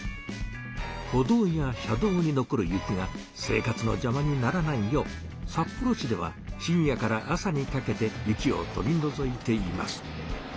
歩道や車道に残る雪が生活のじゃまにならないよう札幌市では深夜から朝にかけて雪を取りのぞいています。